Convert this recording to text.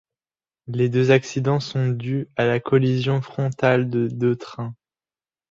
Les deux accidents sont dus à la collision frontale de deux trains.